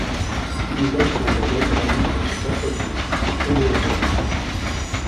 Il lègue son domaine à l'une de ses quatre filles, Éléonore.